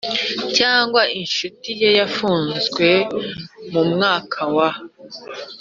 cyangwa incuti ye yafunzwe Mu mwaka wa